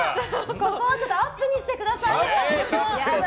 ここ、アップにしてくださいよ。